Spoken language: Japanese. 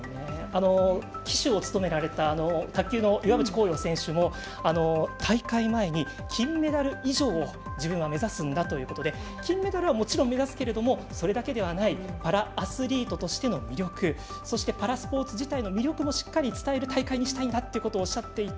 旗手を務められた卓球の岩渕幸洋選手も大会前に金メダル以上を自分は目指すんだということで金メダルはもちろん目指すけれどもそれだけではないパラアスリートとしての魅力そして、パラスポーツ自体の魅力もしっかり伝える大会にしたいんだということをおっしゃっていた。